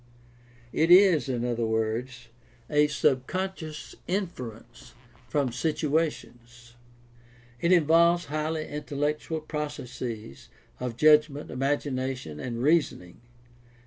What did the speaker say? It is, in other words, a subconscious inference from situations. It involves highly intellectual processes of judgment, imagina tion, and reasoning.